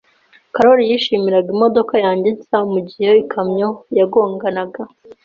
Karoli yishimiraga imodoka yanjye nshya mugihe ikamyo yagonganaga.